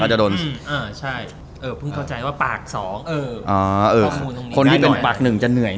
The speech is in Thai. เป็นเหมือนพี่พิ๊กจ๊ะ